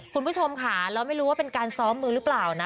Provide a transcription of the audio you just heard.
คุณผู้ชมค่ะเราไม่รู้ว่าเป็นการซ้อมมือหรือเปล่านะ